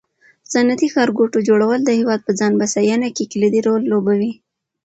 د صنعتي ښارګوټو جوړول د هېواد په ځان بسیاینه کې کلیدي رول لوبوي.